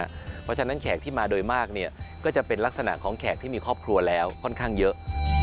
เพราะฉะนั้นแขกที่มาโดยมากก็จะเป็นลักษณะของแขกที่มีครอบครัวแล้วค่อนข้างเยอะ